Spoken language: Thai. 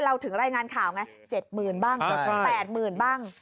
ถึงรายงานข่าวไง๗๐๐บ้าง๗๐๘๐๐๐บ้าง